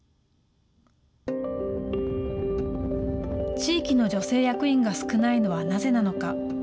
地域の女性役員が少ないのはなぜなのか。